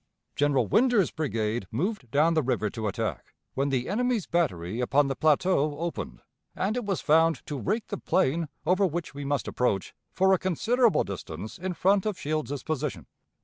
General Winder's brigade moved down the river to attack, when the enemy's battery upon the plateau opened, and it was found to rake the plain over which we must approach for a considerable distance in front of Shields's position.